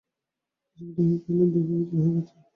বিস্মিত হয়ে দেখলাম, দিপা ব্যাকুল হয়ে কাঁদছে।